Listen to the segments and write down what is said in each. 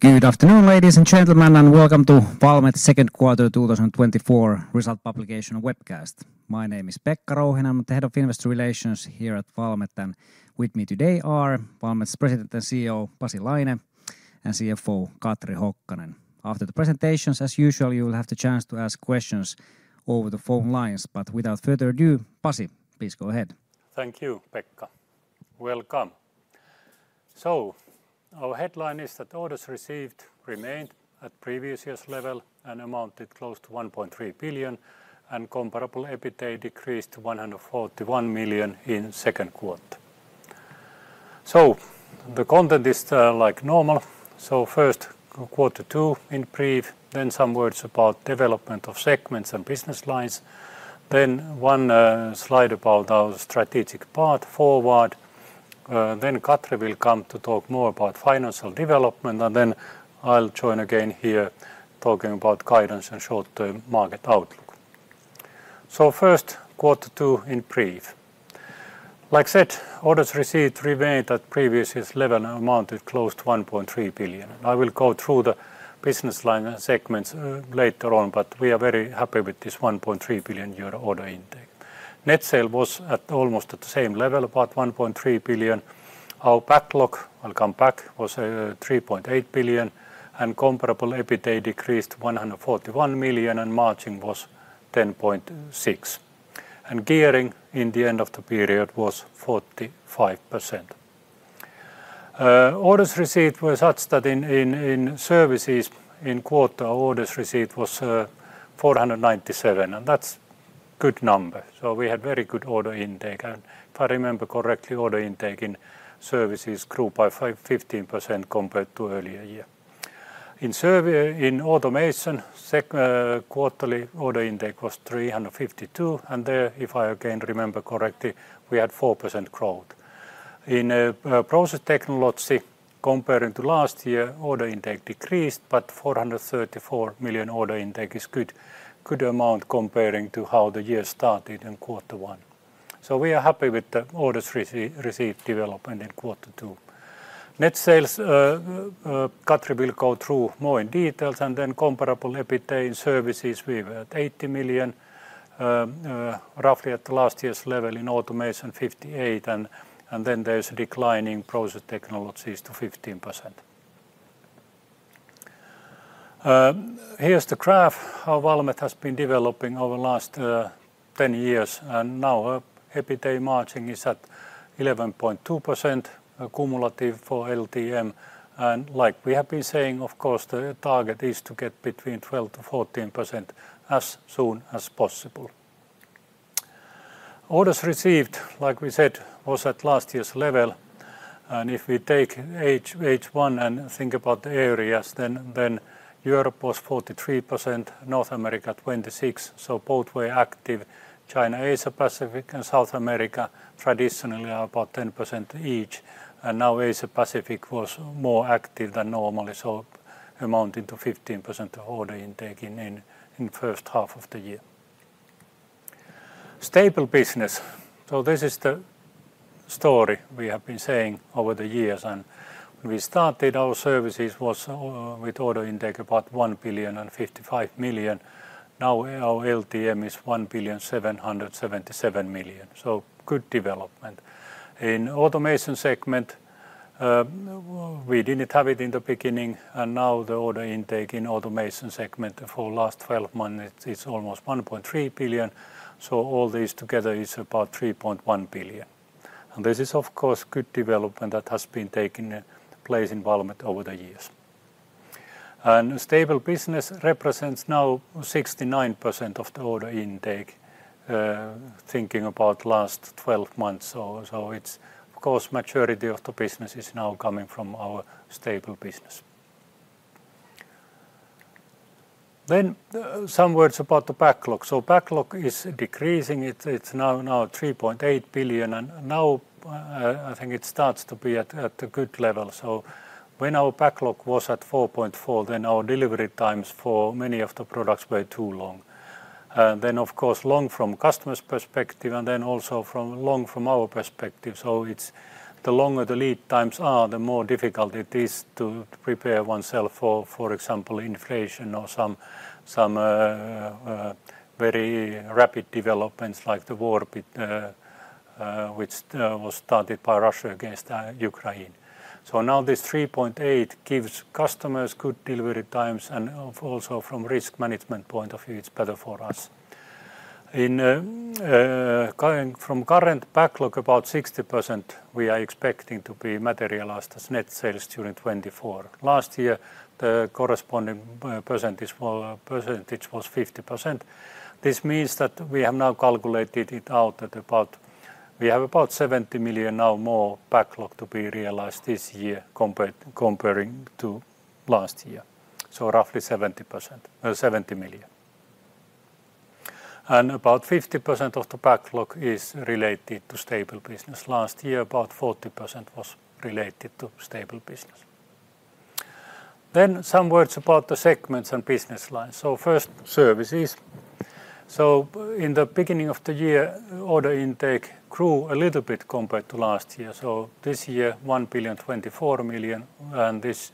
Good afternoon, ladies and gentlemen, and welcome to Valmet's second quarter 2024 result publication webcast. My name is Pekka Rouhiainen. I'm the Head of Investor Relations here at Valmet, and with me today are Valmet's President and CEO, Pasi Laine, and CFO, Katri Hokkanen. After the presentations, as usual, you will have the chance to ask questions over the phone lines. But without further ado, Pasi, please go ahead. Thank you, Pekka. Welcome. So our headline is that orders received remained at previous year's level and amounted close to 1.3 billion, and Comparable EBITA decreased to 141 million in second quarter. So the content is, like normal, so first, quarter two in brief, then some words about development of segments and business lines, then one, slide about our strategic path forward, then Katri will come to talk more about financial development, and then I'll join again here, talking about guidance and short-term market outlook. So first, quarter two in brief. Like said, orders received remained at previous year's level and amounted close to 1.3 billion. I will go through the business line segments, later on, but we are very happy with this 1.3 billion euro order intake. Net sales was at almost at the same level, about 1.3 billion. Our backlog, I'll come back, was three point eight billion, and comparable EBITA decreased to 141 million, and margin was 10.6%. Gearing in the end of the period was 45%. Orders received were such that in Services in quarter, orders received was 497, and that's good number. So we had very good order intake, and if I remember correctly, order intake in services grew by 15% compared to earlier year. In Services, in automation segment, quarterly order intake was 352, and there, if I again remember correctly, we had 4% growth. In process technology, comparing to last year, order intake decreased, but 434 million order intake is good, good amount comparing to how the year started in quarter one. So we are happy with the orders received development in quarter two. Net sales, Katri will go through more in details, and then comparable EBITA in services, we're at 80 million, roughly at the last year's level, in automation, 58, and then there's a decline in process technologies to 15%. Here's the graph, how Valmet has been developing over the last 10 years, and now our EBITA margin is at 11.2%, cumulative for LTM, and like we have been saying, of course, the target is to get between 12%-14% as soon as possible. Orders received, like we said, was at last year's level, and if we take H1 and think about the areas, then Europe was 43%, North America 26%, so both were active. China, Asia Pacific and South America traditionally are about 10% each, and now Asia Pacific was more active than normally, so amounting to 15% of order intake in the first half of the year. Stable business. So this is the story we have been saying over the years, and when we started, our services was with order intake about 1,055 million. Now, our LTM is 1,777 million, so good development. In automation segment, we didn't have it in the beginning, and now the order intake in automation segment for last twelve months is almost 1.3 billion, so all these together is about 3.1 billion. And this is, of course, good development that has been taking place in Valmet over the years. And stable business represents now 69% of the order intake, thinking about last 12 months, so it's... Of course, maturity of the business is now coming from our stable business. Then, some words about the backlog. So backlog is decreasing. It's now 3.8 billion, and now, I think it starts to be at a good level. So when our backlog was at 4.4 billion, then our delivery times for many of the products were too long. Then, of course, longer from customer's perspective, and then also from longer from our perspective. So it's the longer the lead times are, the more difficult it is to prepare oneself for, for example, inflation or some very rapid developments like the war, which was started by Russia against Ukraine. So now, this 3.8 gives customers good delivery times, and also from risk management point of view, it's better for us. From current backlog, about 60% we are expecting to be materialized as net sales during 2024. Last year, the corresponding percentage was 50%. This means that we have now calculated it out at about... We have about 70 million now more backlog to be realized this year comparing to last year, so roughly 70%, 70 million. And about 50% of the backlog is related to stable business. Last year, about 40% was related to stable business. Then some words about the segments and business lines. So first, services. So in the beginning of the year, order intake grew a little bit compared to last year. So this year, 1,024 million, and this,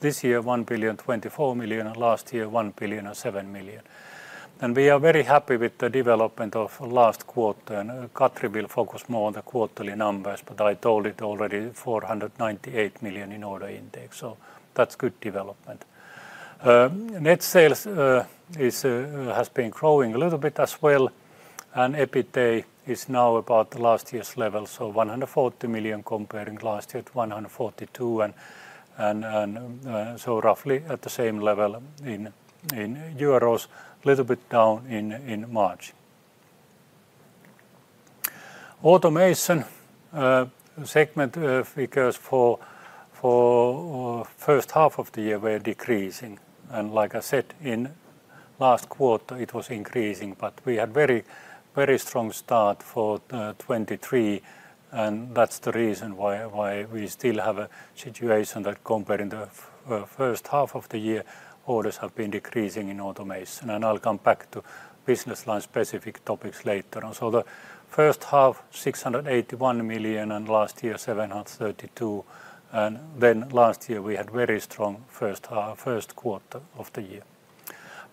this year, 1,024 million, and last year, 1,007 million. And we are very happy with the development of last quarter, and Katri will focus more on the quarterly numbers, but I told it already, 498 million in order intake, so that's good development. Net sales has been growing a little bit as well, and EBITA is now about last year's level, so 140 million comparing last year to 142, and so roughly at the same level in euros, a little bit down in March. Automation segment figures for the first half of the year were decreasing, and like I said, in last quarter it was increasing, but we had very, very strong start for 2023, and that's the reason why we still have a situation that comparing the first half of the year, orders have been decreasing in automation. And I'll come back to business line-specific topics later on. The first half, 681 million, and last year, 732 million, and then last year we had very strong first half, first quarter of the year.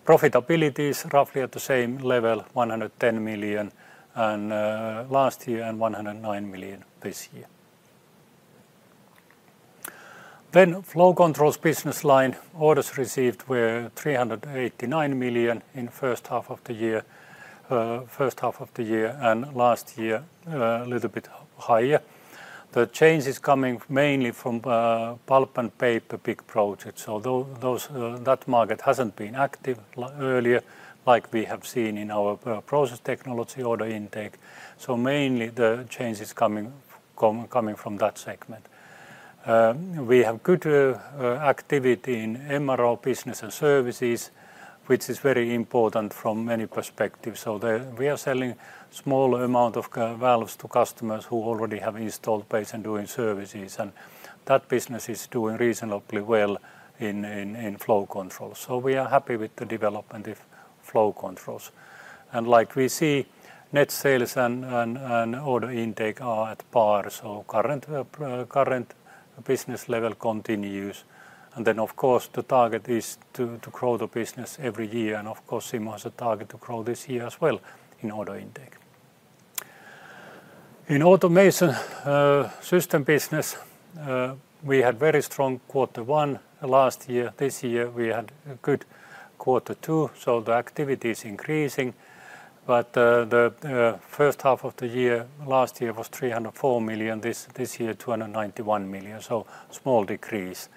Profitability is roughly at the same level, 110 million, and last year, and 109 million this year. Then Flow Control's business line orders received were 389 million in first half of the year, first half of the year, and last year, a little bit higher. The change is coming mainly from pulp and paper big projects, although those... That market hasn't been active like earlier, like we have seen in our Process Technology order intake, so mainly the change is coming from that segment. We have good activity in MRO business and Services, which is very important from many perspectives. So we are selling small amount of valves to customers who already have installed base and doing services, and that business is doing reasonably well in Flow Control, so we are happy with the development of flow Controls. And like we see, net sales and order intake are at par, so current business level continues. And then, of course, the target is to grow the business every year, and of course, Valmet has a target to grow this year as well in order intake. In automation system business, we had very strong quarter one last year. This year we had a good quarter, too, so the activity is increasing, but the first half of the year, last year was 304 million, this year, 291 million, so small decrease.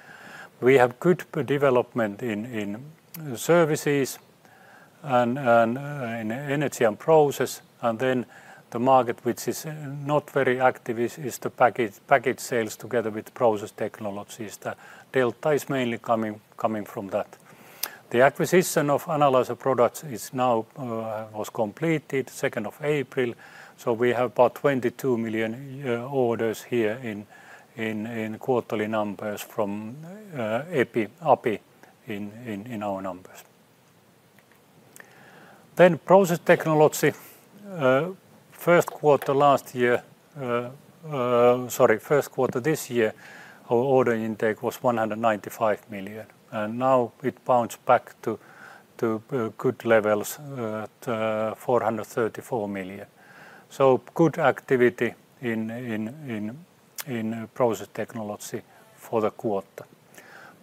We have good development in services and in energy and process, and then the market, which is not very active, is the package sales together with Process Technology. The delta is mainly coming from that. The acquisition of Analyzer Products was completed 2nd of April, so we have about 22 million orders here in quarterly numbers from API in our numbers. Then Process Technology, first quarter last year... Sorry, first quarter this year, our order intake was 195 million, and now it bounced back to good levels at 434 million. So good activity in Process Technology for the quarter.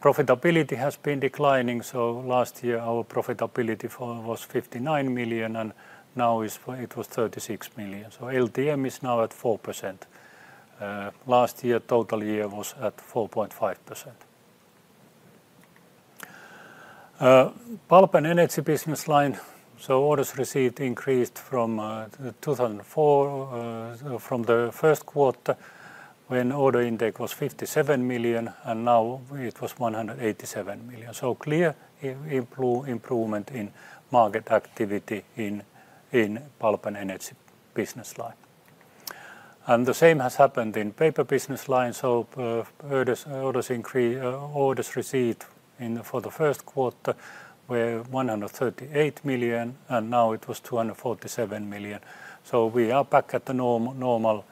Profitability has been declining, so last year our profitability was 59 million, and now it was 36 million. So LTM is now at 4%. Last year, total year was at 4.5%. Pulp and energy business line, so orders received increased from 2004, from the first quarter, when order intake was 57 million, and now it was 187 million, so clear improvement in market activity in pulp and energy business line. And the same has happened in paper business line, so orders received for the first quarter were 138 million, and now it was 247 million, so we are back at the normal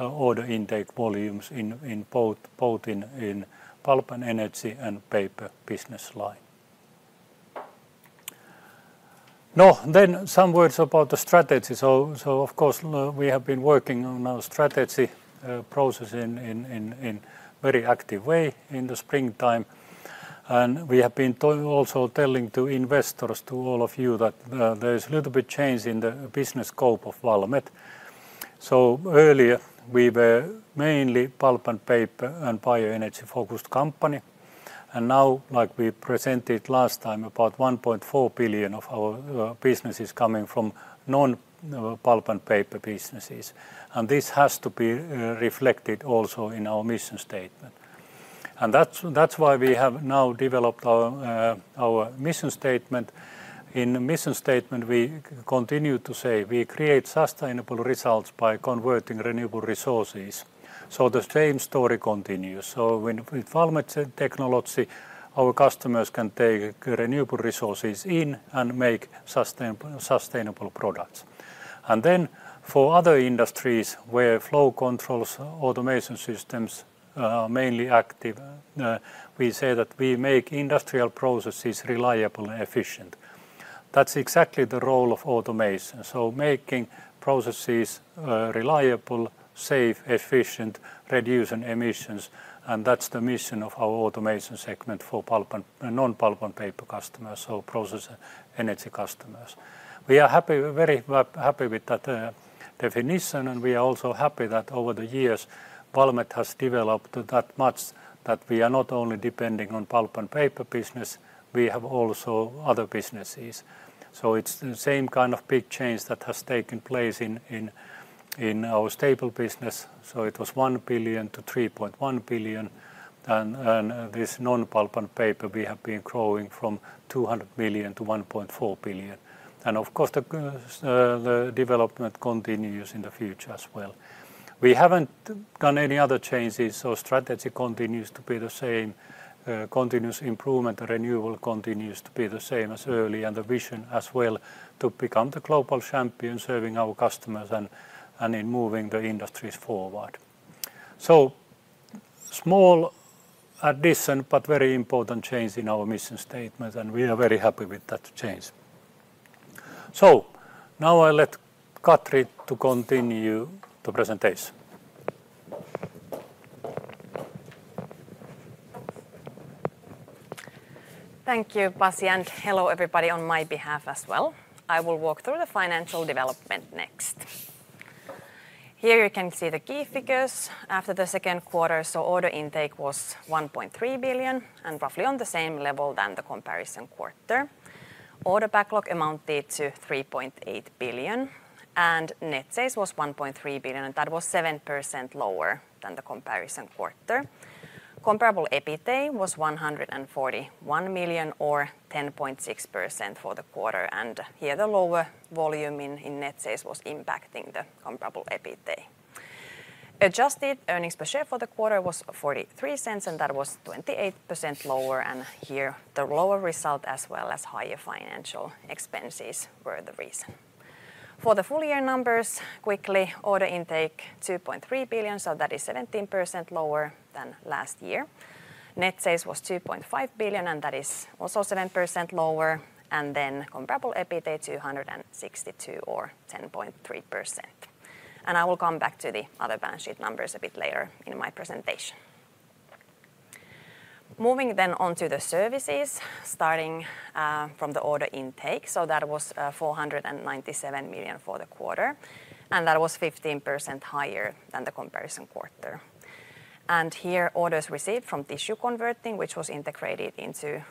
order intake volumes in both in pulp and energy and paper business line. Now, then some words about the strategy. So, of course, we have been working on our strategy process in very active way in the springtime, and we have been also telling to investors, to all of you, that there is little bit change in the business scope of Valmet. So earlier, we were mainly pulp and paper and bioenergy-focused company, and now, like we presented last time, about 1.4 billion of our business is coming from non pulp and paper businesses, and this has to be reflected also in our mission statement. And that's why we have now developed our our mission statement. In the mission statement, we continue to say, "We create sustainable results by converting renewable resources." So the same story continues. So when with Valmet technology, our customers can take renewable resources in and make sustainable products. And then for other industries where flow controls automation systems are mainly active, we say that we make industrial processes reliable and efficient. That's exactly the role of automation, so making processes, reliable, safe, efficient, reducing emissions, and that's the mission of our automation segment for pulp and non-pulp and paper customers, so process energy customers. We are happy, very well happy with that, definition, and we are also happy that over the years, Valmet has developed that much that we are not only depending on pulp and paper business, we have also other businesses. So it's the same kind of big change that has taken place in our stable business, so it was 1 billion-3.1 billion, and this non-pulp and paper we have been growing from 200 million-1.4 billion. And of course, the development continues in the future as well. We haven't done any other changes, so strategy continues to be the same, continuous improvement, and renewal continues to be the same as early, and the vision as well, to become the global champion, serving our customers and in moving the industries forward. So small addition, but very important change in our mission statement, and we are very happy with that change. So now I let Katri to continue the presentation. Thank you, Pasi, and hello, everybody on my behalf as well. I will walk through the financial development next. Here you can see the key figures after the second quarter, so order intake was 1.3 billion and roughly on the same level than the comparison quarter. Order backlog amounted to 3.8 billion, and net sales was 1.3 billion, and that was 7% lower than the comparison quarter. Comparable EBITA was 141 million or 10.6% for the quarter, and here the lower volume in net sales was impacting the comparable EBITA. Adjusted earnings per share for the quarter was 0.43, and that was 28% lower, and here the lower result as well as higher financial expenses were the reason. For the full year numbers, quickly, order intake 2.3 billion, so that is 17% lower than last year. Net sales was 2.5 billion, and that is also 7% lower, and then comparable EBITA, 262 million or 10.3%. And I will come back to the other balance sheet numbers a bit later in my presentation. Moving then on to the services, starting from the order intake, so that was 497 million for the quarter, and that was 15% higher than the comparison quarter. And here orders received from tissue converting, which was integrated into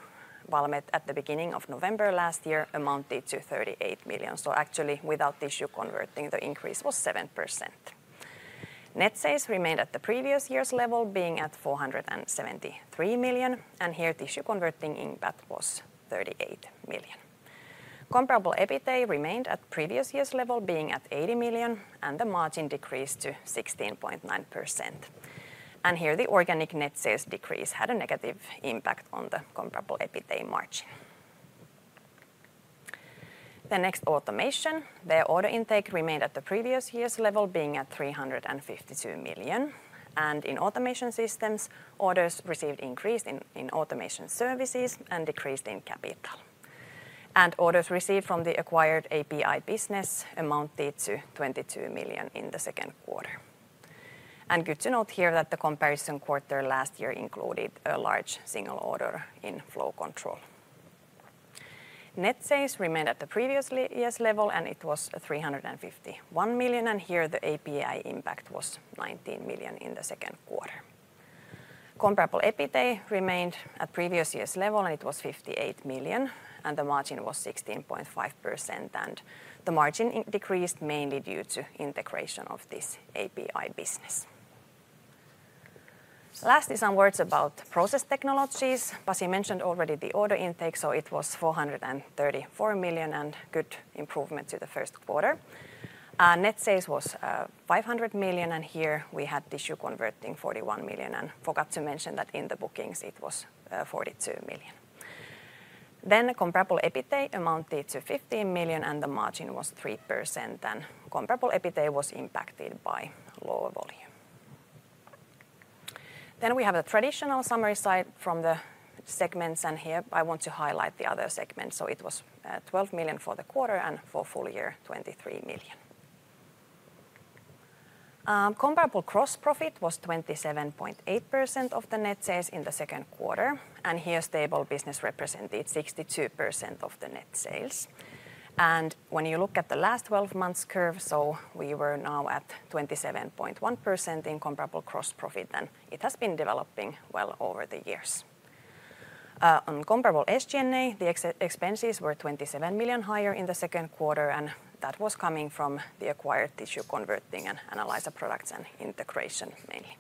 Valmet at the beginning of November last year, amounted to 38 million. So actually, without tissue converting t, the increase was 7%. Net sales remained at the previous year's level, being at 473 million, and here tissue converting impact was 38 million. Comparable EBITA remained at previous year's level, being at 80 million, and the margin decreased to 16.9%. Here the organic net sales decrease had a negative impact on the comparable EBITA margin. Next, automation. Their order intake remained at the previous year's level, being at 352 million, and in automation systems, orders received increased in automation services and decreased in capital. Orders received from the acquired API business amounted to 22 million in the second quarter. Good to note here that the comparison quarter last year included a large single order in flow control. Net sales remained at the previous year's level, and it was 351 million, and here the API impact was 19 million in the second quarter. Comparable EBITA remained at previous year's level, and it was 58 million, and the margin was 16.5%, and the margin decreased mainly due to integration of this API business. Lastly, some words about process technologies. Pasi mentioned already the order intake, so it was 434 million, and good improvement to the first quarter. Net sales was 500 million, and here we had tissue converting 41 million and forgot to mention that in the bookings it was 42 million. Then comparable EBITA amounted to 15 million, and the margin was 3%, and comparable EBITA was impacted by lower volume. We have a traditional summary slide from the segments, and here I want to highlight the other segments. So it was 12 million for the quarter and for full year, 2023. Comparable gross profit was 27.8% of the net sales in the second quarter, and here stable business represented 62% of the net sales. When you look at the last twelve months curve, so we were now at 27.1% in comparable gross profit, and it has been developing well over the years. On comparable SG&A, the expenses were 27 million higher in the second quarter, and that was coming from the acquired tissue converting and analyzer products and integration mainly.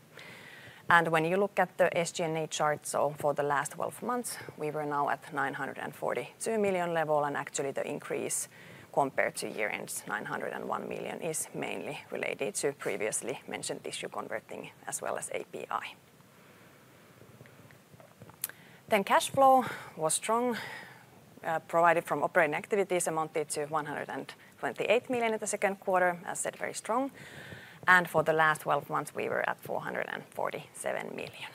When you look at the SG&A chart, so for the last 12 months, we were now at 942 million level, and actually the increase compared to year-end, 901 million, is mainly related to previously mentioned tissue converting as well as API. Then cash flow was strong, provided from operating activities amounted to 128 million in the second quarter. As said, very strong, and for the last 12 months, we were at 447 million.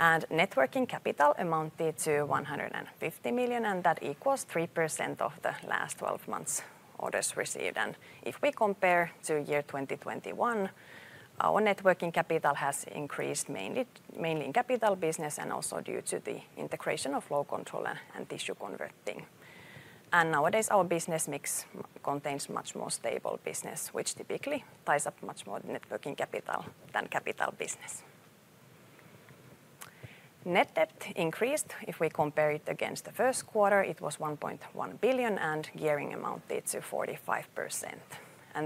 And net working capital amounted to 150 million, and that equals 3% of the last 12 months' orders received. And if we compare to year 2021, our net working capital has increased mainly, mainly in capital business and also due to the integration of flow control and, and tissue converting. Nowadays, our business mix contains much more stable business, which typically ties up much more net working capital than capital business. Net debt increased. If we compare it against the first quarter, it was 1.1 billion, and gearing amounted to 45%.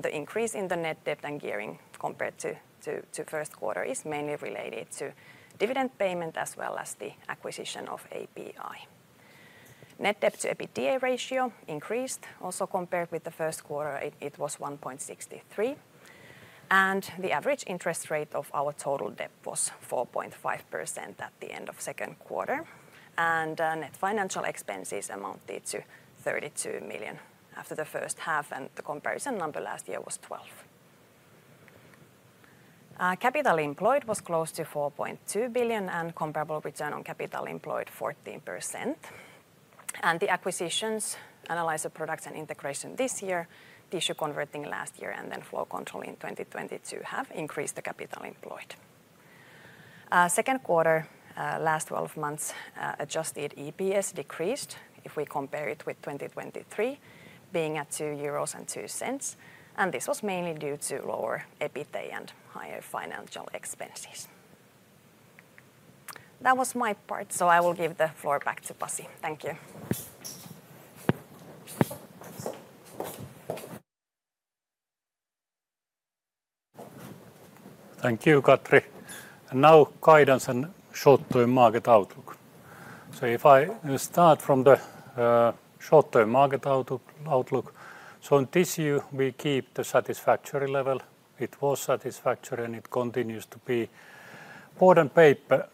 The increase in the net debt and gearing compared to the first quarter is mainly related to dividend payment, as well as the acquisition of API. Net debt to EBITDA ratio increased. Also compared with the first quarter, it was 1.63, and the average interest rate of our total debt was 4.5% at the end of second quarter, and net financial expenses amounted to 32 million after the first half, and the comparison number last year was 12. Capital employed was close to 4.2 billion, and comparable return on capital employed, 14%. The acquisitions, analyzer products and integration this year, tissue converting last year, and then flow control in 2022, have increased the capital employed. Second quarter, last 12 months, adjusted EPS decreased if we compare it with 2023, being at 2.02 euros, and this was mainly due to lower EBITDA and higher financial expenses. That was my part, so I will give the floor back to Pasi. Thank you. Thank you, Katri. And now guidance and short-term market outlook. So if I start from the short-term market outlook, so in tissue we keep the satisfactory level. It was satisfactory, and it continues to be. Board and paper,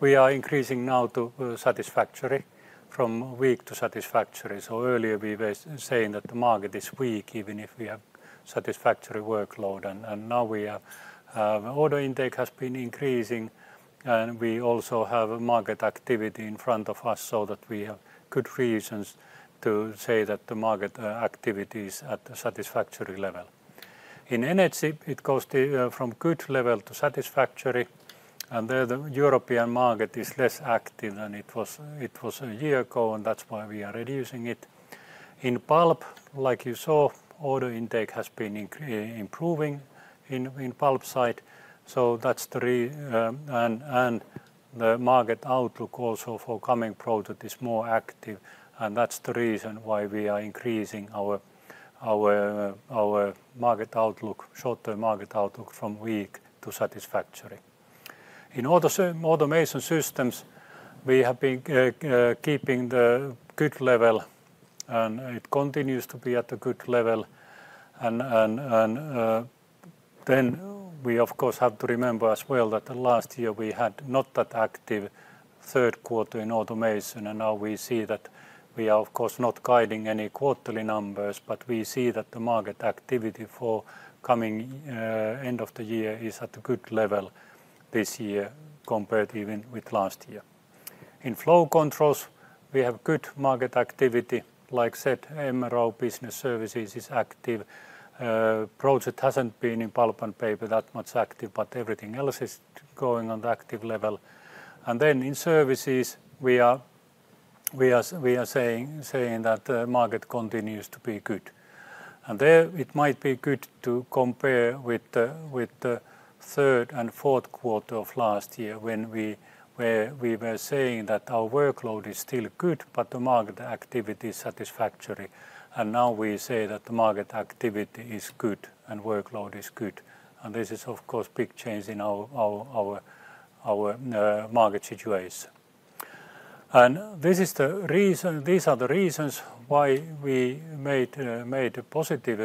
we are increasing now to satisfactory, from weak to satisfactory. So earlier we were saying that the market is weak, even if we have satisfactory workload, and now we are. Order intake has been increasing, and we also have a market activity in front of us, so that we have good reasons to say that the market activity is at a satisfactory level. In energy, it goes to from good level to satisfactory, and there the European market is less active than it was a year ago, and that's why we are reducing it. In pulp, like you saw, order intake has been improving in pulp side, so that's the reason, and the market outlook also for coming period is more active, and that's the reason why we are increasing our market outlook, short-term market outlook, from weak to satisfactory. In automation systems, we have been keeping the good level, and it continues to be at a good level. Then we, of course, have to remember as well that last year we had not that active third quarter in automation, and now we see that we are, of course, not guiding any quarterly numbers, but we see that the market activity for coming end of the year is at a good level this year compared even with last year. In flow controls, we have good market activity. Like said, MRO Business Services is active. Project hasn't been in pulp and paper that much active, but everything else is going on the active level. And then in services, we are saying that the market continues to be good. And there it might be good to compare with the third and fourth quarter of last year when we were saying that our workload is still good, but the market activity is satisfactory. And now we say that the market activity is good and workload is good, and this is, of course, a big change in our market situation. And this is the reason—these are the reasons why we made a positive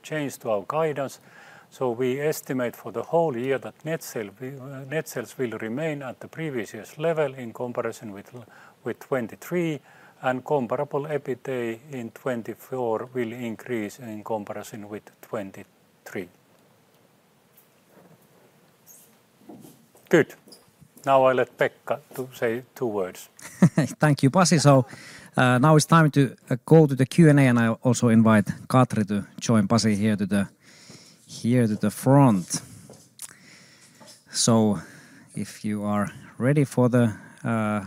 change to our guidance. So we estimate for the whole year that net sale, net sales will remain at the previous year's level in comparison with, with 2023, and comparable EBITDA in 2024 will increase in comparison with 2023. Good. Now I let Pekka to say two words. Thank you, Pasi. So, now it's time to go to the Q&A, and I also invite Katri to join Pasi here to the, here to the front. So if you are ready for the...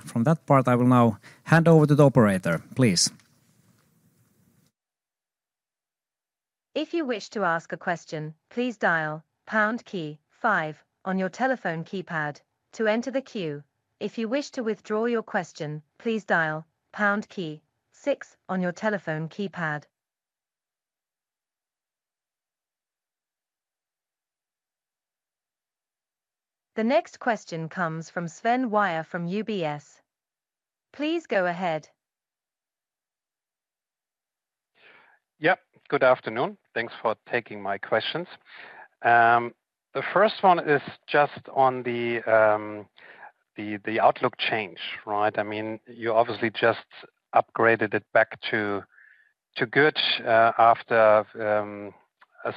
From that part, I will now hand over to the operator, please. If you wish to ask a question, please dial pound key five on your telephone keypad to enter the queue. If you wish to withdraw your question, please dial pound key six on your telephone keypad. The next question comes from Sven Weier from UBS. Please go ahead. Yep, good afternoon. Thanks for taking my questions. The first one is just on the outlook change, right? I mean, you obviously just upgraded it back to good after...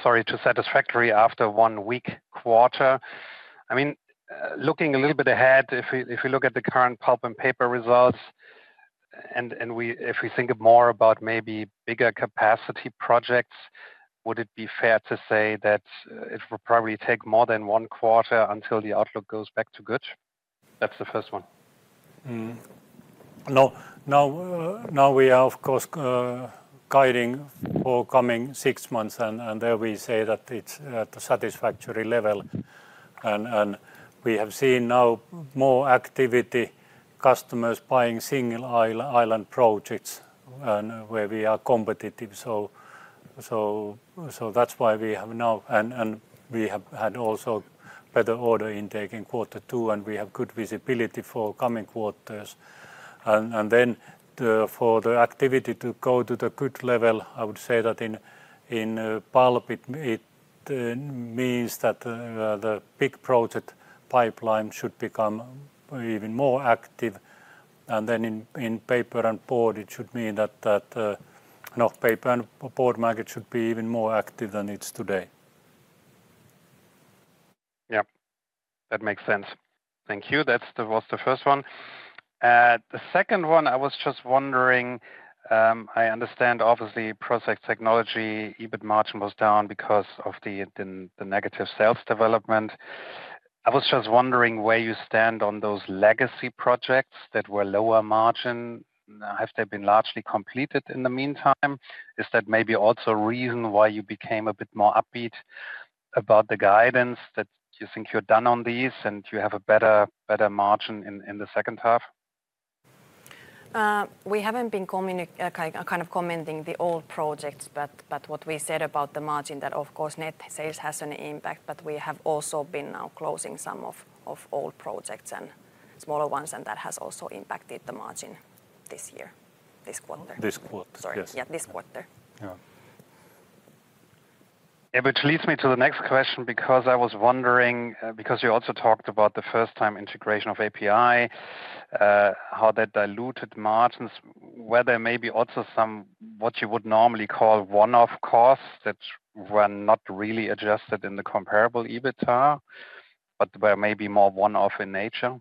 Sorry, to satisfactory after one weak quarter. I mean, looking a little bit ahead, if we look at the current pulp and paper results, and if we think more about maybe bigger capacity projects, would it be fair to say that it will probably take more than one quarter until the outlook goes back to good? That's the first one. Mm. No. Now we are, of course, guiding for coming six months, and there we say that it's at a satisfactory level. We have seen now more activity, customers buying single island projects and where we are competitive. That's why we have now... We have had also better order intake in quarter two, and we have good visibility for coming quarters. For the activity to go to the good level, I would say that in pulp, it means that the big project pipeline should become even more active. Then in paper and board, it should mean that the paper and board market should be even more active than it's today. Yeah, that makes sense. Thank you. That's the... Was the first one. The second one, I was just wondering, I understand obviously Process Technology EBIT margin was down because of the negative sales development. I was just wondering where you stand on those legacy projects that were lower margin. Have they been largely completed in the meantime? Is that maybe also a reason why you became a bit more upbeat about the guidance, that you think you're done on these, and you have a better margin in the second half? We haven't been kind of commenting the old projects, but what we said about the margin, that of course net sales has an impact, but we have also been now closing some of old projects and smaller ones, and that has also impacted the margin this year, this quarter. This quarter. Sorry. Yes. Yeah, this quarter. Yeah. Yeah, which leads me to the next question, because I was wondering, because you also talked about the first time integration of API, how that diluted margins. Were there maybe also some, what you would normally call one-off costs, that were not really adjusted in the comparable EBITA, but were maybe more one-off in nature?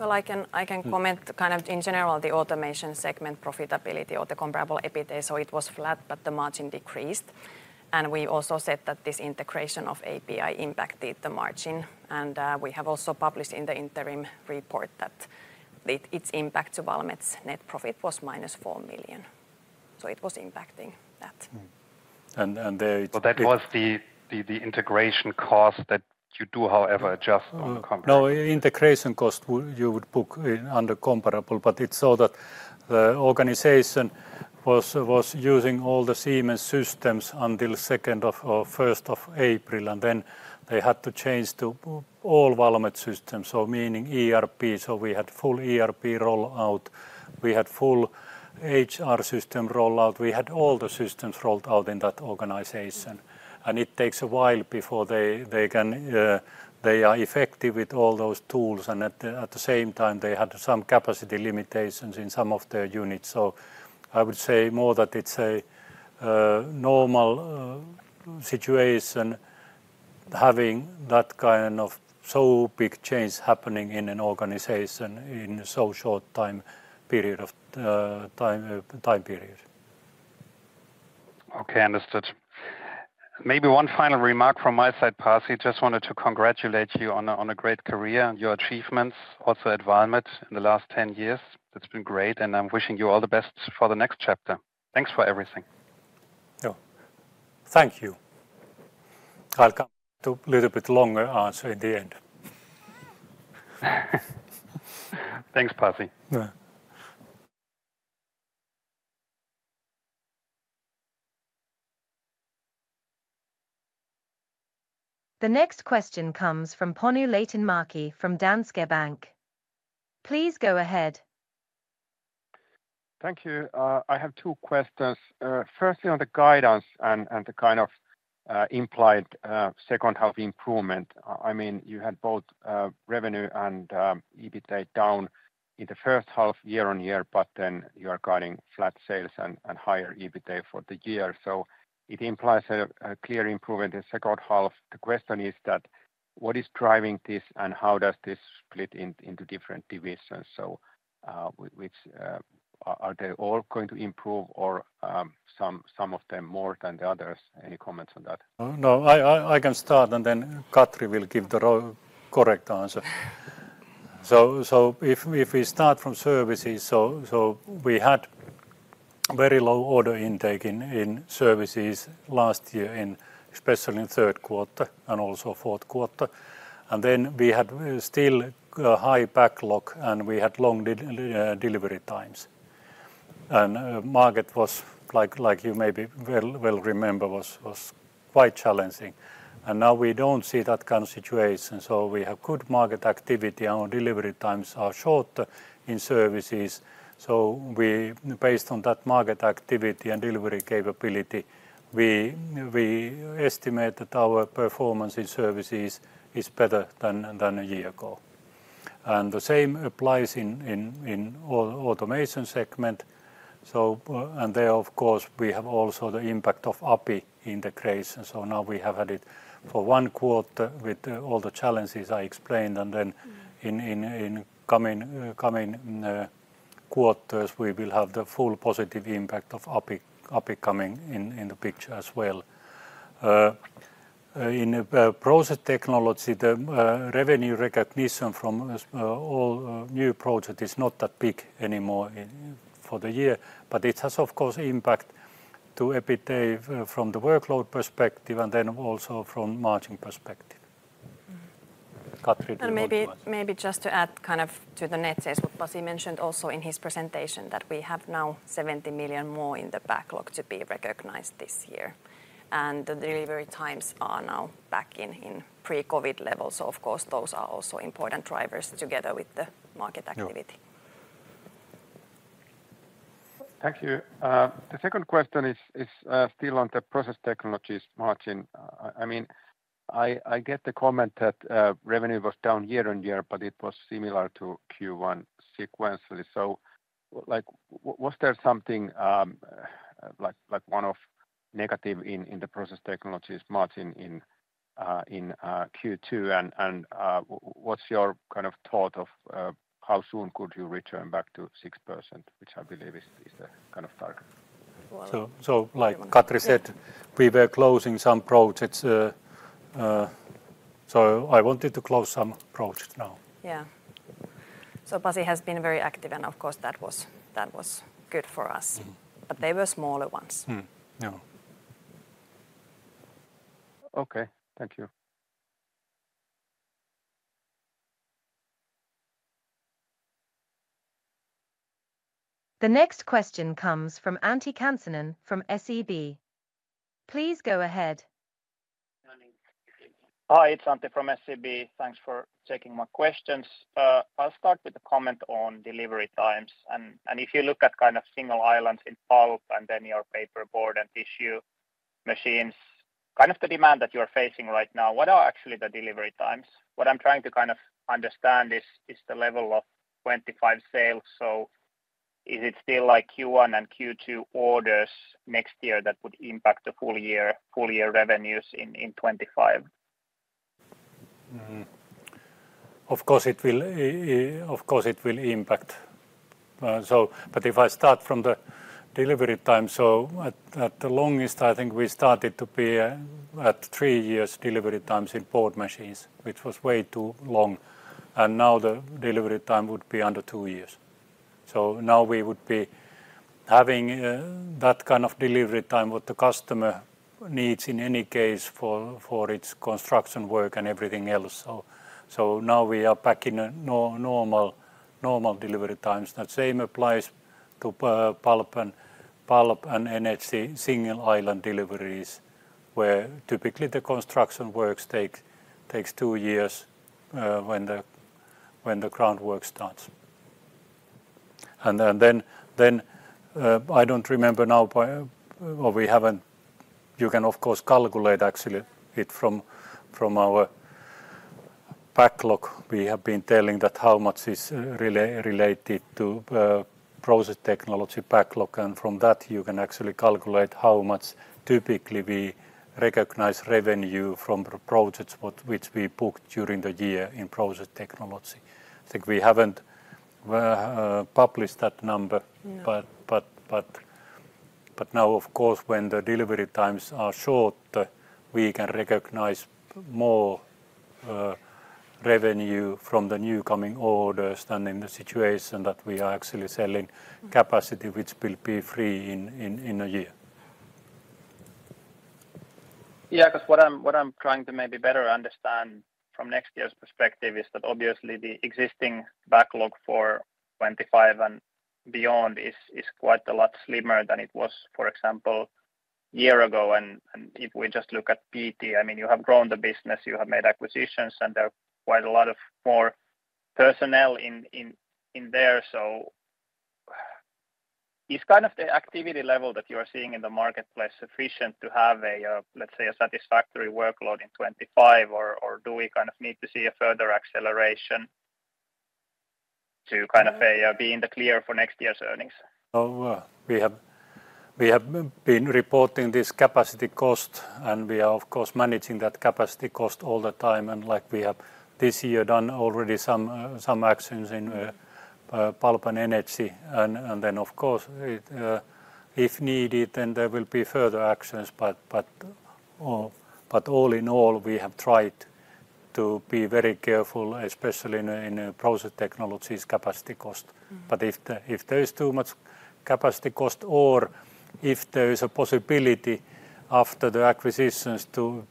Well, I can- Mm comment kind of in general, the automation segment profitability or the Comparable EBITA. So it was flat, but the margin decreased. And we also said that this integration of API impacted the margin, and we have also published in the interim report that it, its impact to Valmet's net profit was -4 million. So it was impacting that. And the- But that was the integration cost that you do, however, adjust on comparable- No, integration cost would, you would book in under comparable. But it's so that the organization was using all the Siemens systems until 2nd or 1st of April, and then they had to change to all Valmet systems, so meaning ERP. So we had full ERP rollout, we had full HR system rollout, we had all the systems rolled out in that organization. Mm. It takes a while before they are effective with all those tools, and at the same time, they had some capacity limitations in some of their units. So I would say more that it's a normal situation, having that kind of so big change happening in an organization in a so short time period of time. Okay, understood. Maybe one final remark from my side, Pasi. Just wanted to congratulate you on a great career and your achievements also at Valmet in the last ten years. It's been great, and I'm wishing you all the best for the next chapter. Thanks for everything. Yeah. Thank you. I'll come to a little bit longer answer in the end. Thanks, Pasi. Yeah. The next question comes from Panu Laitinmäki from Danske Bank. Please go ahead. Thank you. I have two questions. Firstly, on the guidance and the kind of implied second-half improvement. I mean, you had both revenue and EBITA down in the first half, year-over-year, but then you are guiding flat sales and higher EBITA for the year. So it implies a clear improvement in second half. The question is that, what is driving this, and how does this split into different divisions? So, which... Are they all going to improve or some of them more than the others? Any comments on that? No, I can start, and then Katri will give the correct answer. So, if we start from services, so we had very low order intake in services last year, especially in third quarter and also fourth quarter. And then we had still a high backlog, and we had long delivery times. And market was like you maybe remember, was quite challenging. And now we don't see that kind of situation, so we have good market activity, our delivery times are shorter in services. So, based on that market activity and delivery capability, we estimate that our performance in services is better than a year ago. And the same applies in all automation segment. So, and there, of course, we have also the impact of API integration. So now we have had it for one quarter with, all the challenges I explained. And then- Mm... in coming quarters, we will have the full positive impact of API coming in the picture as well. In Process Technology, the revenue recognition from all new projects is not that big anymore in for the year. But it has, of course, impact to EBITDA from the workload perspective, and then also from margin perspective. Mm-hmm. Katri- And maybe, maybe just to add kind of to the net sales, what Pasi mentioned also in his presentation, that we have now 70 million more in the backlog to be recognized this year, and the delivery times are now back in, in pre-COVID levels. So of course, those are also important drivers together with the market activity. Yeah. Thank you. The second question is still on the process technologies margin. I mean, I get the comment that revenue was down year-on-year, but it was similar to Q1 sequentially. So, like, was there something like one of negative in the process technologies margin in Q2? And what's your kind of thought of how soon could you return back to 6%, which I believe is the kind of target? Well- So, like Katri said, we were closing some projects. So I wanted to close some projects now. Yeah. So Pasi has been very active, and of course, that was good for us. Mm-hmm. But they were smaller ones. Mm-hmm. Yeah. Okay. Thank you. The next question comes from Antti Kansanen from SEB. Please go ahead. Hi, it's Antti from SEB. Thanks for taking my questions. I'll start with a comment on delivery times, and if you look at kind of single islands in pulp and then your paper board and tissue machines, kind of the demand that you are facing right now, what are actually the delivery times? What I'm trying to kind of understand is the level of 2025 sales. So is it still like Q1 and Q2 orders next year that would impact the full year, full year revenues in 2025? Mm-hmm. Of course it will, of course it will impact. So but if I start from the delivery time, so at the longest, I think we started to be at three years delivery times in board machines, which was way too long, and now the delivery time would be under two years. So now we would be having that kind of delivery time, what the customer needs in any case for its construction work and everything else. So now we are back in a normal delivery times. The same applies to pulp and pulp and energy, single island deliveries, where typically the construction works takes two years, when the ground work starts. And then I don't remember now, but well, we haven't... You can, of course, calculate actually it from our backlog. We have been telling that how much is related to Process Technology backlog, and from that, you can actually calculate how much typically we recognize revenue from the projects which we booked during the year in Process Technology. I think we haven't published that number- Mm but now, of course, when the delivery times are short, we can recognize more revenue from the new coming orders than in the situation that we are actually selling capacity, which will be free in a year. Yeah, because what I'm trying to maybe better understand from next year's perspective is that obviously the existing backlog for 2025 and beyond is quite a lot slimmer than it was, for example, a year ago. And if we just look at PT, I mean, you have grown the business, you have made acquisitions, and there are quite a lot of more personnel in there. So, is kind of the activity level that you are seeing in the marketplace sufficient to have a, let's say, a satisfactory workload in 2025? Or do we kind of need to see a further acceleration to kind of be in the clear for next year's earnings? Oh, we have, we have been reporting this capacity cost, and we are, of course, managing that capacity cost all the time. And like we have this year done already some, some actions in, pulp and energy. And, and then, of course, it, if needed, then there will be further actions. But, but Oh, but all in all, we have tried to be very careful, especially in the, in the process technologies capacity cost. Mm. But if there is too much capacity cost or if there is a possibility after the acquisitions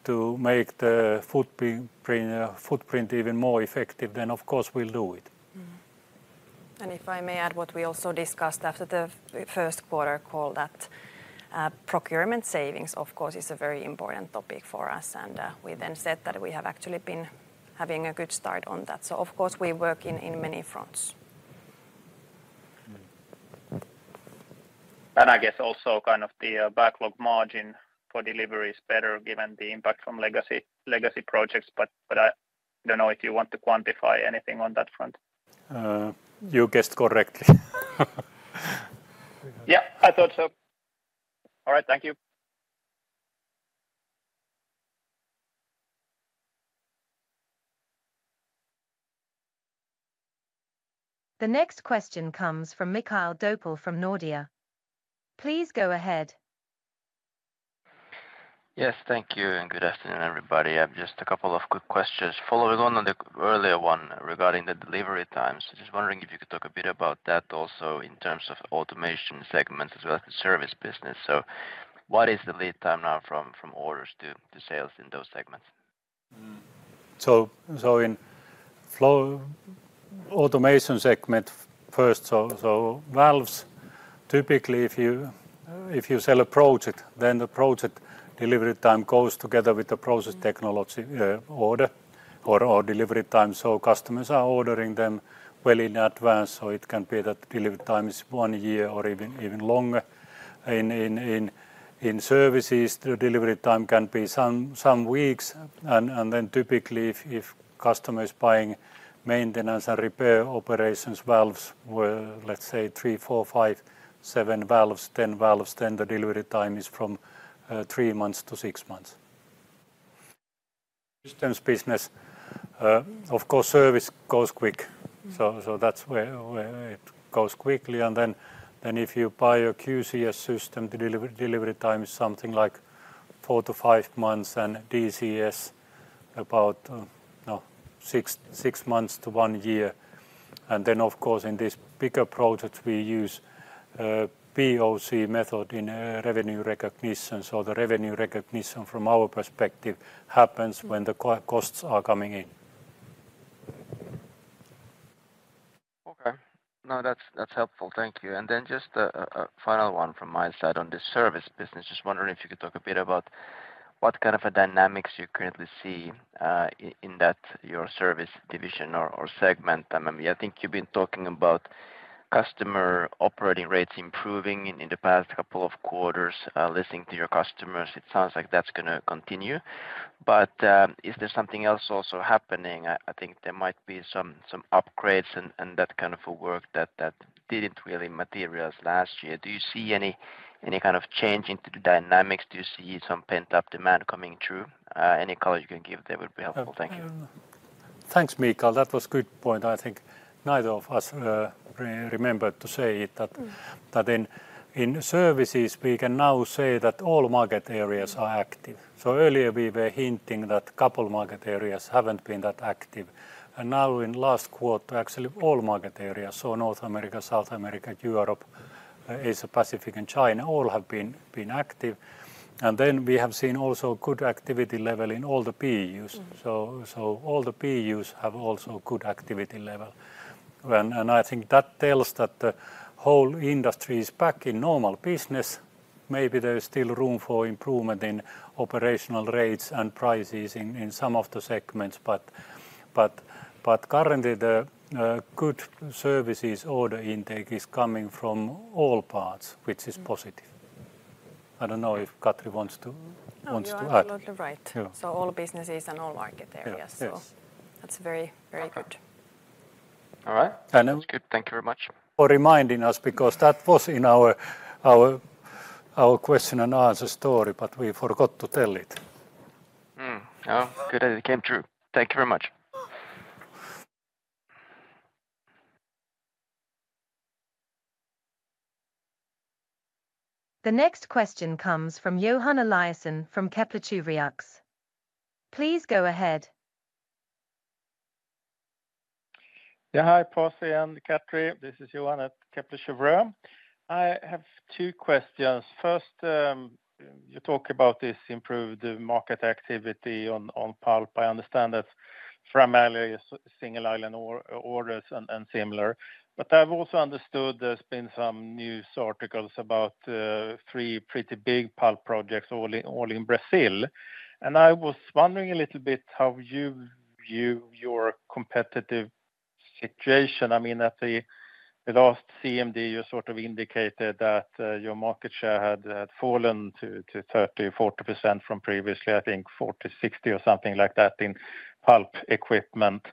to make the footprint even more effective, then of course we'll do it. Mm-hmm. And if I may add what we also discussed after the first quarter call, that procurement savings, of course, is a very important topic for us. And we then said that we have actually been having a good start on that. So of course, we work in many fronts. Mm. And I guess also kind of the backlog margin for delivery is better given the impact from legacy, legacy projects, but, but I don't know if you want to quantify anything on that front. You guessed correctly. Yeah, I thought so. All right, thank you. The next question comes from Mikael Doepel from Nordea. Please go ahead. Yes, thank you, and good afternoon, everybody. I've just a couple of quick questions. Following on the earlier one regarding the delivery times, just wondering if you could talk a bit about that also in terms of automation segments as well as the service business. So what is the lead time now from orders to sales in those segments? So, in Flow Control segment first, so, valves, typically if you sell a project, then the project delivery time goes together with the process. Mm technology, order or delivery time, so customers are ordering them well in advance, so it can be that the delivery time is one year or even longer. In services, the delivery time can be some weeks, and then typically if customer is buying maintenance and repair operations valves, well, let's say 3, 4, 5, 7 valves, 10 valves, then the delivery time is from 3 months - 6 months. Systems business, of course, service goes quick Mm. So that's where it goes quickly, and then if you buy a QCS system, the delivery time is something like four to five months, and DCS about six months to one year. And then, of course, in this bigger project, we use POC method in revenue recognition. So the revenue recognition from our perspective happens- Mm... when the costs are coming in. Okay. No, that's helpful. Thank you. And then just a final one from my side on the service business. Just wondering if you could talk a bit about what kind of a dynamics you currently see in that your service division or segment? I mean, I think you've been talking about customer operating rates improving in the past couple of quarters. Listening to your customers, it sounds like that's gonna continue, but is there something else also happening? I think there might be some upgrades and that kind of a work that didn't really materialize last year. Do you see any kind of change into the dynamics? Do you see some pent-up demand coming through? Any color you can give there would be helpful. Thank you. Thanks, Mikael. That was good point. I think neither of us remembered to say it-... that in services, we can now say that all market areas are active. So earlier we were hinting that couple market areas haven't been that active, and now in last quarter, actually all market areas, so North America, South America, Europe, Asia Pacific, and China, all have been active. And then we have seen also good activity level in all the PUs. All the PUs have also good activity level. I think that tells that the whole industry is back in normal business. Maybe there is still room for improvement in operational rates and prices in some of the segments, but currently the good services order intake is coming from all parts-... which is positive. I don't know if Katri wants to, wants to add. No, you are absolutely right. Yeah. All businesses and all market areas- Yeah. Yes so that's very, very good. Okay. All right. And then- That's good. Thank you very much. for reminding us because that was in our question and answer story, but we forgot to tell it. Mm. Well, good that it came through. Thank you very much. The next question comes from Johan Eliason from Kepler Cheuvreux. Please go ahead. Yeah. Hi, Pasi and Katri. This is Johan at Kepler Cheuvreux. I have two questions. First, you talk about this improved market activity on pulp. I understand that from earlier, single island orders and similar. But I've also understood there's been some news articles about three pretty big pulp projects all in Brazil, and I was wondering a little bit how you view your competitive situation. I mean, at the last CMD, you sort of indicated that your market share had fallen to 30%-40% from previously, I think 40%-60% or something like that in pulp equipment.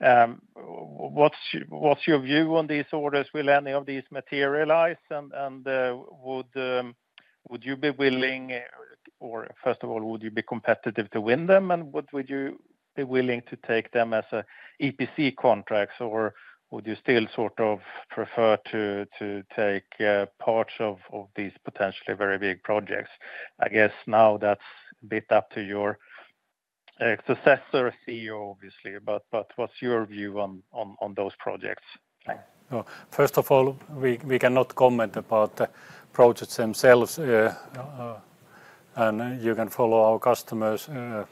What's your view on these orders? Will any of these materialize? And would you be willing or, first of all, would you be competitive to win them, and what would you-... be willing to take them as EPC contracts, or would you still sort of prefer to take parts of these potentially very big projects? I guess now that's a bit up to your successor CEO, obviously, but what's your view on those projects? Thanks. Well, first of all, we, we cannot comment about the projects themselves. And you can follow our customers',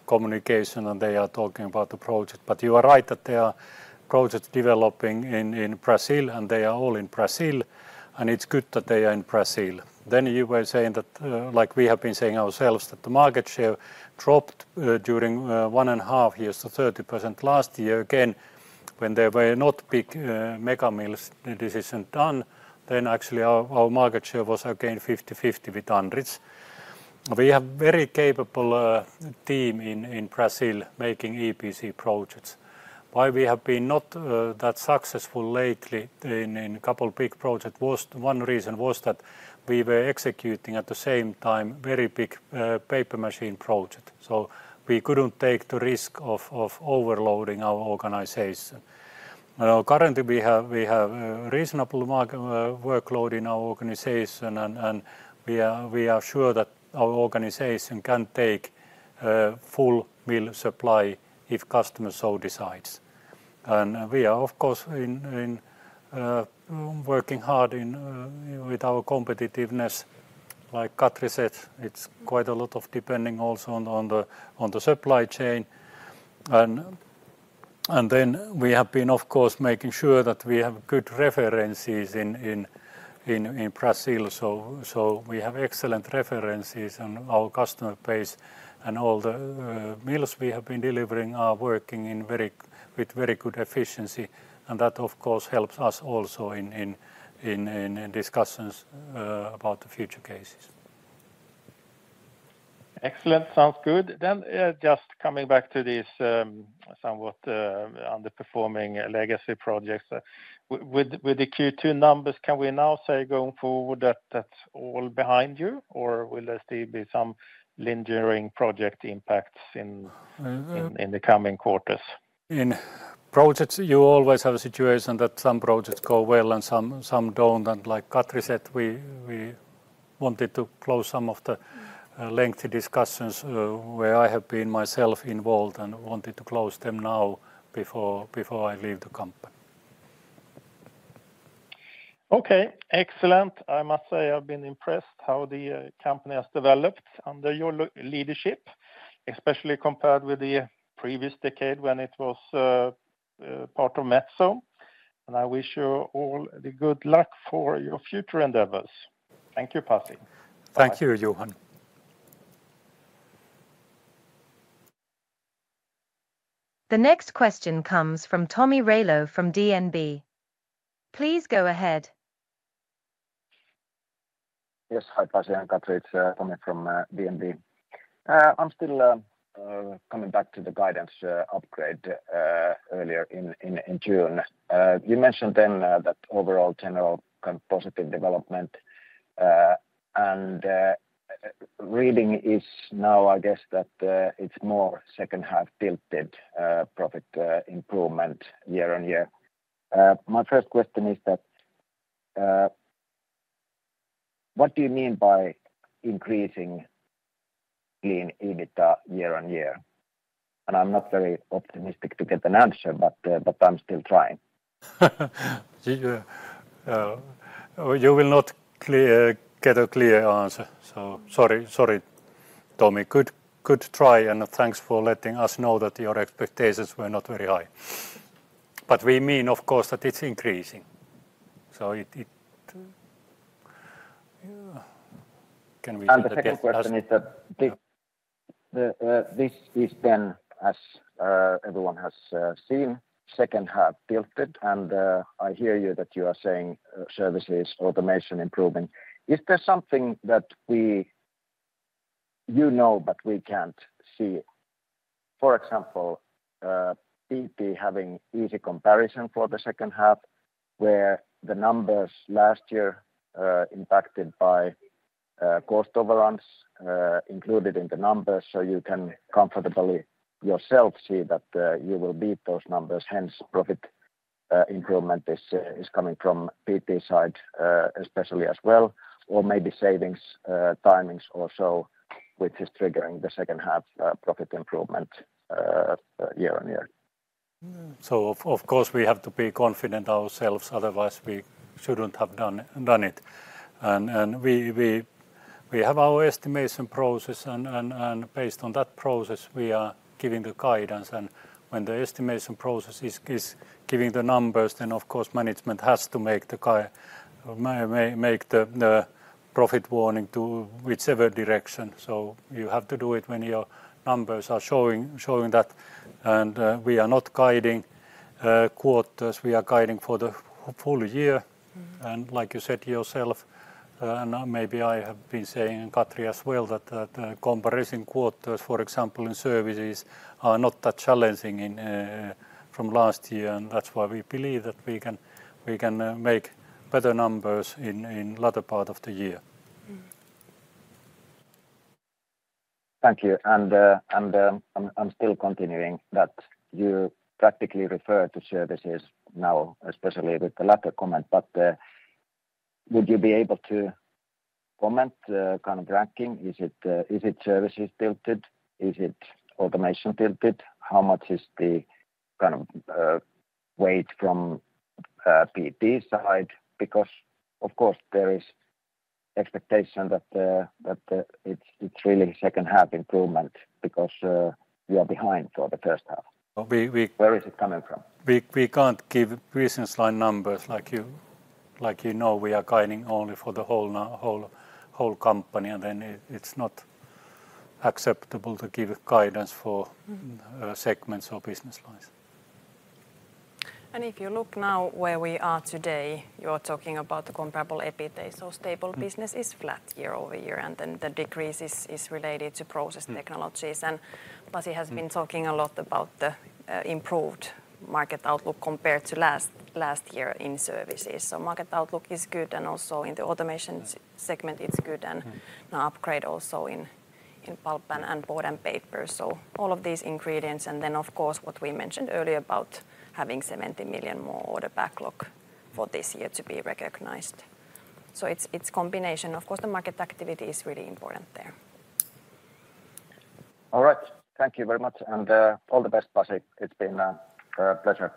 communication, and they are talking about the project. But you are right that there are projects developing in, in Brazil, and they are all in Brazil, and it's good that they are in Brazil. Then you were saying that, like we have been saying ourselves, that the market share dropped, during, one and a half years to 30% last year. Again, when there were not big, mega mills decision done, then actually our, our market share was again 50/50 with Andritz. We have very capable, team in, in Brazil making EPC projects. Why we have been not that successful lately in a couple big projects was one reason was that we were executing at the same time a very big paper machine project, so we couldn't take the risk of overloading our organization. Now, currently we have a reasonable market workload in our organization, and we are sure that our organization can take full mill supply if customer so decides. And we are, of course, working hard with our competitiveness. Like Katri said, it's quite a lot depending also on the supply chain. And then we have been, of course, making sure that we have good references in Brazil. So we have excellent references, and our customer base, and all the mills we have been delivering are working with very good efficiency, and that, of course, helps us also in discussions about the future cases. Excellent. Sounds good. Then, just coming back to this, somewhat underperforming legacy projects. With the Q2 numbers, can we now say going forward that that's all behind you, or will there still be some lingering project impacts in Uh in the coming quarters? In projects, you always have a situation that some projects go well and some don't. And like Katri said, we wanted to close some of the lengthy discussions where I have been myself involved and wanted to close them now before I leave the company. Okay, excellent. I must say I've been impressed how the company has developed under your leadership, especially compared with the previous decade when it was part of Metsä. I wish you all the good luck for your future endeavors. Thank you, Pasi. Thank you, Johan. The next question comes from Tommi Railo from DNB. Please go ahead. Yes, hi, Pasi and Katri. It's Tommi from DNB. I'm still coming back to the guidance upgrade earlier in June. You mentioned then that overall general kind of positive development and reading is now, I guess that it's more second half tilted profit improvement year on year. My first question is that what do you mean by increasing in EBITDA year on year? And I'm not very optimistic to get an answer, but I'm still trying. You will not get a clear answer, so sorry, sorry, Tommi. Good, good try, and thanks for letting us know that your expectations were not very high. But we mean, of course, that it's increasing, so it, it... Can we say that- And the second question is that the this is then as everyone has seen second half tilted and I hear you that you are saying services automation improving. Is there something that we you know but we can't see? For example BT having easy comparison for the second half where the numbers last year impacted by cost overruns included in the numbers so you can comfortably yourself see that you will beat those numbers hence profit improvement is coming from BT side especially as well or maybe savings timings or so which is triggering the second half profit improvement year on year. So, of course, we have to be confident ourselves, otherwise we shouldn't have done it. And we have our estimation process, and based on that process, we are giving the guidance. And when the estimation process is giving the numbers, then of course, management has to make the profit warning to whichever direction. So you have to do it when your numbers are showing that. And we are not guiding quarters, we are guiding for the full year. And like you said yourself, and maybe I have been saying, and Katri as well, that the comparison quarters, for example, in services, are not that challenging from last year, and that's why we believe that we can make better numbers in latter part of the year.... Thank you! And, I'm still continuing that you practically refer to services now, especially with the latter comment. But, would you be able to comment kind of tracking? Is it services tilted? Is it automation tilted? How much is the kind of weight from BP side? Because of course there is expectation that it's really second half improvement because you are behind for the first half. We, we- Where is it coming from? We can't give business line numbers like you know, we are guiding only for the whole company, and then it, it's not acceptable to give guidance for Mm segments or business lines. If you look now where we are today, you're talking about the comparable EBITA. Stable- business is flat year over year, and then the decrease is related to process technologies. Pasi has been. talking a lot about the improved market outlook compared to last year in services. So market outlook is good, and also in the automation segment it's good, and-... an upgrade also in pulp and board and paper. So all of these ingredients, and then of course, what we mentioned earlier about having 70 million more order backlog for this year to be recognized. So it's combination. Of course, the market activity is really important there. All right. Thank you very much, and all the best, Pasi. It's been a pleasure.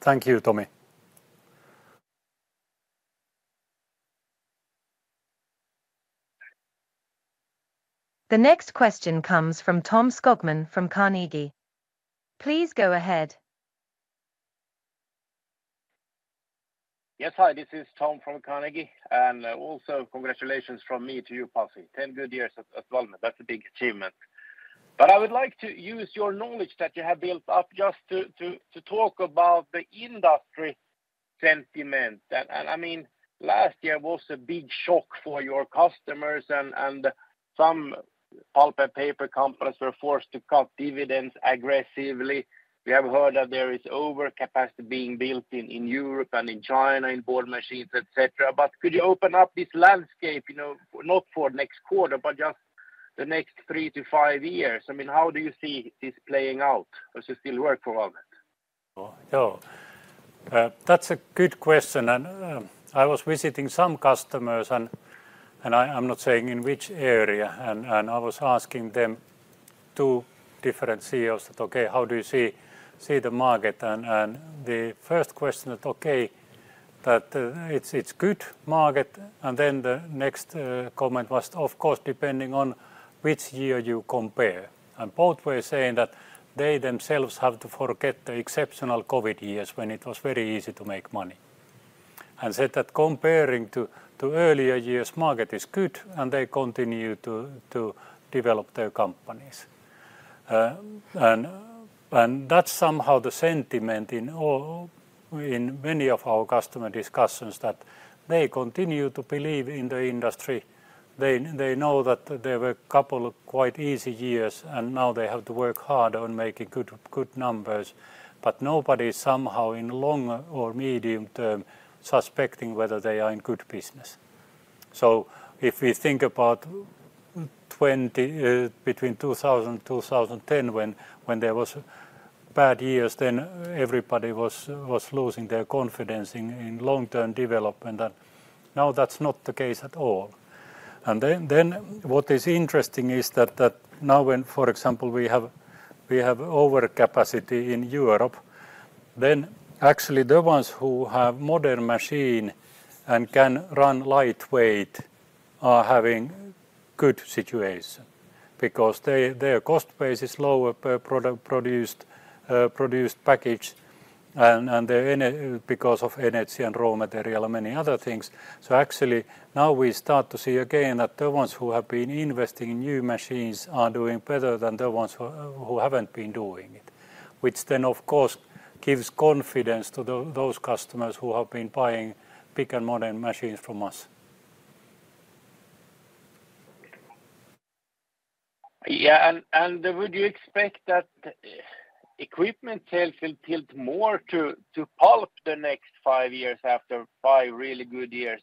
Thank you, Tommy. The next question comes from Tom Skogman from Carnegie. Please go ahead. Yes, hi, this is Tom from Carnegie, and also congratulations from me to you, Pasi. 10 good years of Valmet, that's a big achievement. But I would like to use your knowledge that you have built up just to talk about the industry sentiment. And I mean, last year was a big shock for your customers, and some pulp and paper companies were forced to cut dividends aggressively. We have heard that there is over capacity being built in Europe and in China, in board machines, et cetera. But could you open up this landscape, you know, not for next quarter, but just the next 3-5 years? I mean, how do you see this playing out as you still work for Valmet? Oh, yeah. That's a good question, and I was visiting some customers and I, I'm not saying in which area, and I was asking them, two different CEOs that, "Okay, how do you see the market?" And the first question that, okay, that it's good market. And then the next comment was, of course, depending on which year you compare. And both were saying that they themselves have to forget the exceptional COVID years when it was very easy to make money. And said that comparing to earlier years, market is good, and they continue to develop their companies. And that's somehow the sentiment in all in many of our customer discussions, that they continue to believe in the industry. They know that there were a couple of quite easy years, and now they have to work harder on making good, good numbers, but nobody is somehow in long or medium term suspecting whether they are in good business. So if we think about between 2000, 2010, when there was bad years, then everybody was losing their confidence in long-term development, and now that's not the case at all. Then what is interesting is that now when, for example, we have over capacity in Europe, then actually the ones who have modern machine and can run lightweight are having good situation because their cost base is lower per product produced, produced package, and then because of energy and raw material and many other things. So actually, now we start to see again that the ones who have been investing in new machines are doing better than the ones who haven't been doing it. Which then, of course, gives confidence to those customers who have been buying bigger, modern machines from us. Yeah, and would you expect that equipment sales will tilt more to pulp the next five years after five really good years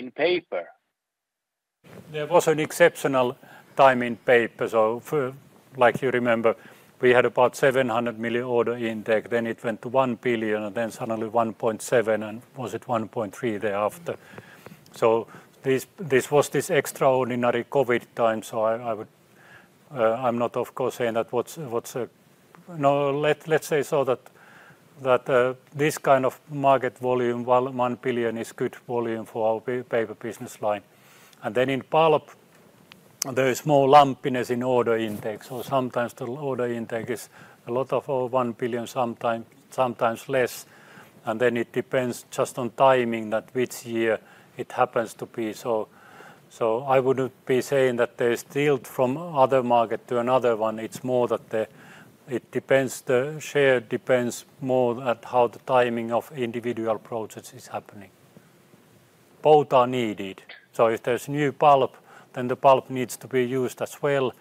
in paper? There was an exceptional time in paper. So, like you remember, we had about 700 million order intake, then it went to 1 billion, and then suddenly 1.7, and was it 1.3 thereafter. So this was this extraordinary COVID time, so I would... I'm not of course saying that what's, no, let's say so that, this kind of market volume, 1 billion, is good volume for our paper business line. And then in pulp, there is more lumpiness in order intake. So sometimes the order intake is a lot of 1 billion, sometimes less, and then it depends just on timing that which year it happens to be so. So I wouldn't be saying that there's tilt from other market to another one. It's more that it depends, the share depends more at how the timing of individual projects is happening. Both are needed, so if there's new pulp, then the pulp needs to be used as well.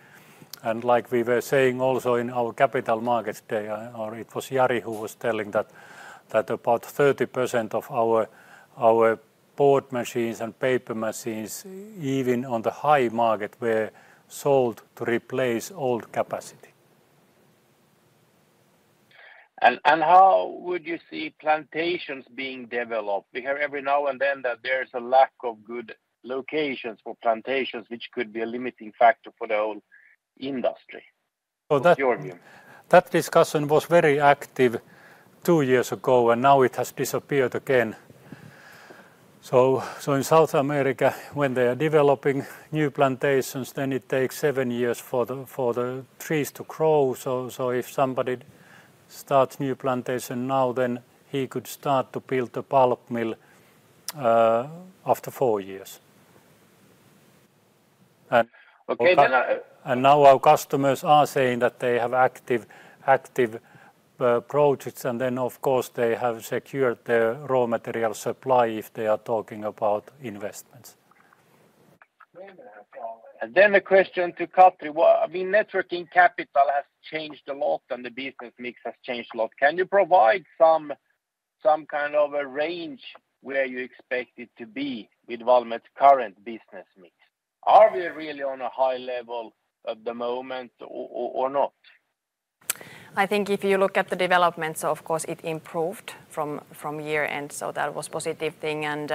And like we were saying also in our Capital Markets Day, or it was Jari who was telling that, that about 30% of our board machines and paper machines, even on the high market, were sold to replace old capacity. How would you see plantations being developed? We hear every now and then that there's a lack of good locations for plantations, which could be a limiting factor for the whole industry. What's your view? That discussion was very active two years ago, and now it has disappeared again. So in South America, when they are developing new plantations, then it takes seven years for the trees to grow. So if somebody starts new plantation now, then he could start to build the pulp mill after four years. And- Okay, then. Now our customers are saying that they have active projects, and then, of course, they have secured their raw material supply if they are talking about investments. And then the question to Katri, what—I mean, net working capital has changed a lot, and the business mix has changed a lot. Can you provide some kind of a range where you expect it to be with Valmet's current business mix? Are we really on a high level at the moment or not? I think if you look at the developments, of course, it improved from year end, so that was positive thing, and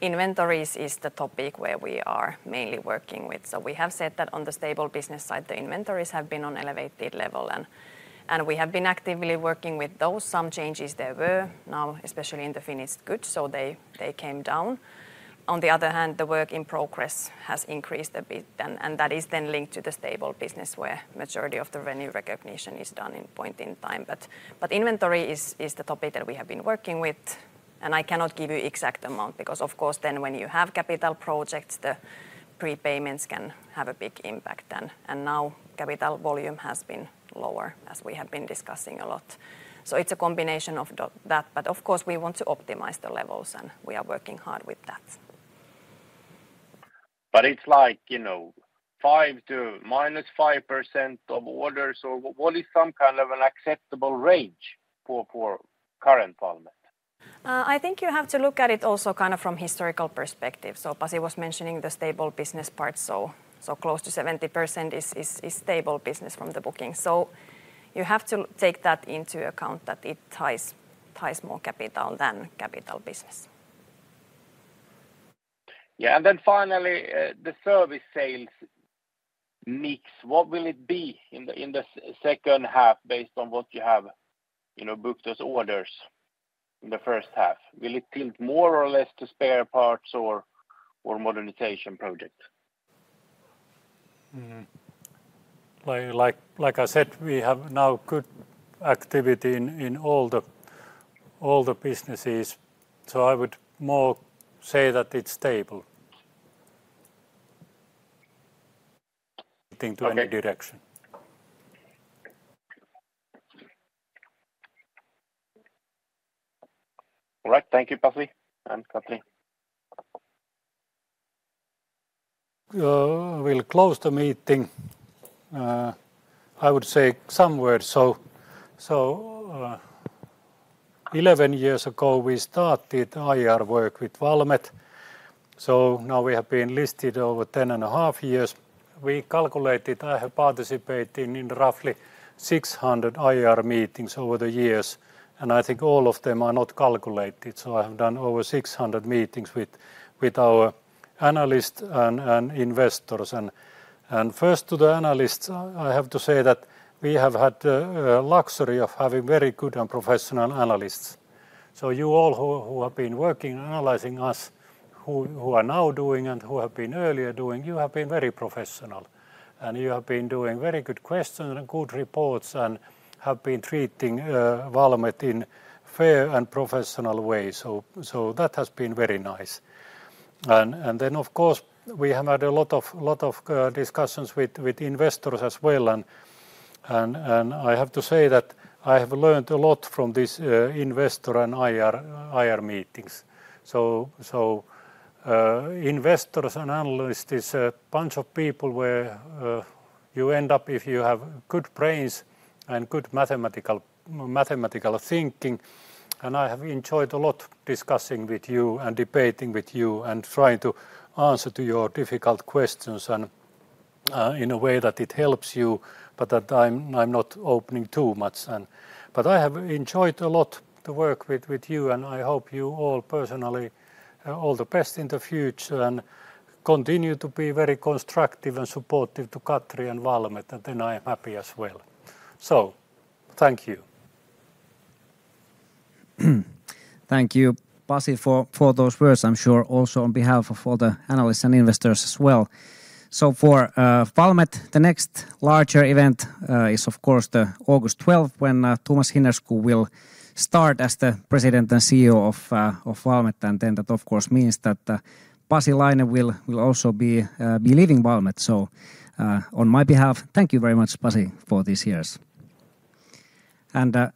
inventories is the topic where we are mainly working with. So we have said that on the stable business side, the inventories have been on elevated level, and we have been actively working with those. Some changes there were now, especially in the finished goods, so they came down. On the other hand, the work in progress has increased a bit, and that is then linked to the stable business, where majority of the revenue recognition is done in point in time. But inventory is the topic that we have been working with, and I cannot give you exact amount because, of course, then when you have capital projects, the prepayments can have a big impact then, and now capital volume has been lower, as we have been discussing a lot. So it's a combination of that, but of course, we want to optimize the levels, and we are working hard with that. But it's like, you know, 5% to -5% of orders, so what is some kind of an acceptable range for current Valmet? I think you have to look at it also kind of from historical perspective. So Pasi was mentioning the stable business part, so close to 70% is stable business from the booking. So you have to take that into account, that it ties more capital than capital business. Yeah, and then finally, the service sales mix, what will it be in the second half based on what you have, you know, booked as orders in the first half? Will it tilt more or less to spare parts or modernization project? Mm-hmm. Like I said, we have now good activity in all the businesses, so I would more say that it's stable... Nothing to any direction. Okay. All right, thank you, Pasi and Katri. We'll close the meeting. I would say some words. So, 11 years ago, we started IR work with Valmet, so now we have been listed over 10.5 years. We calculated I have participated in roughly 600 IR meetings over the years, and I think all of them are not calculated. So I have done over 600 meetings with our analysts and investors. And first to the analysts, I have to say that we have had the luxury of having very good and professional analysts. So you all who have been working, analyzing us, who are now doing and who have been earlier doing, you have been very professional, and you have been doing very good question and good reports and have been treating Valmet in fair and professional way. So that has been very nice. And then, of course, we have had a lot of discussions with investors as well, and I have to say that I have learned a lot from this, investor and IR meetings. So, investors and analysts is a bunch of people where you end up if you have good brains and good mathematical thinking, and I have enjoyed a lot discussing with you and debating with you and trying to answer to your difficult questions and, in a way that it helps you, but that I'm not opening too much and... I have enjoyed a lot to work with you, and I hope you all personally all the best in the future, and continue to be very constructive and supportive to Katri and Valmet, and then I am happy as well. So thank you. Thank you, Pasi, for those words. I'm sure also on behalf of all the analysts and investors as well. So for Valmet, the next larger event is, of course, 12th August, when Thomas Hinnerskov will start as the President and CEO of Valmet, and then that, of course, means that Pasi Laine will also be leaving Valmet. So on my behalf, thank you very much, Pasi, for these years. And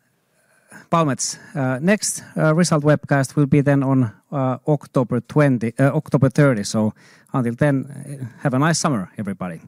Valmet's next result webcast will be then on 30th October. So until then, have a nice summer, everybody!